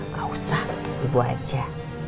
gak usah ibu aja